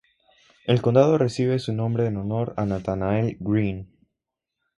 El condado recibe su nombre en honor a Nathanael Greene.